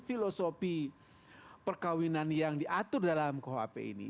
filosofi perkahwinan yang diatur dalam khp ini